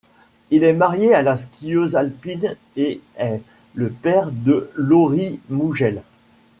Il est marié à la skieuse alpine et est le père de Laurie Mougel.